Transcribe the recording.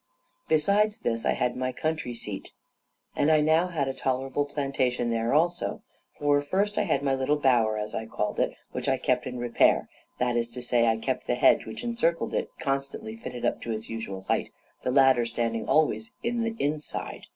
Besides this, I had my country seat, and I had now a tolerable plantation there also; for, first, I had my little bower as I called it, which I kept in repair that is to say, I kept the hedge which encircled it in constantly fitted up to its usual height, the ladder standing always in the inside.